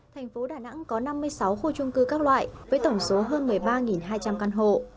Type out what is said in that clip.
thành phố đà nẵng có năm mươi sáu khu trung cư các loại với tổng số hơn một mươi ba hai trăm linh căn hộ